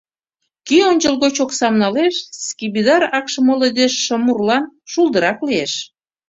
— Кӧ ончылгоч оксам налеш, скипидар акше моло деч шымурлан шулдырак лиеш.